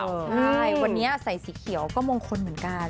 ใช่วันนี้ใส่สีเขียวก็มงคลเหมือนกัน